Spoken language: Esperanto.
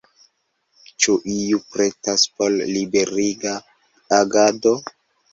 Ĉu iu pretas por liberiga agado?